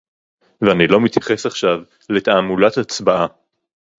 ואני לא מתייחס עכשיו לתעמולת הצבעה